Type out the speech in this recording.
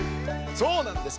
そうなんです。